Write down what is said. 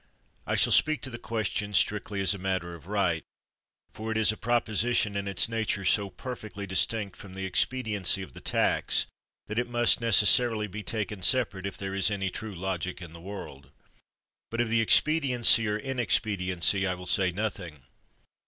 I shall speak to the question strictly as a matter of right, for it is a proposition in its nature so perfectly distinct from the expediency of the tax, that it must necessarily be taken separate, if there is any true logic in the world ; but of the expediency or inexpediency I will say nothing.